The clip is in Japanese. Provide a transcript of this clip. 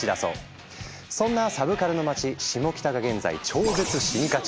そんなサブカルの街シモキタが現在超絶進化中。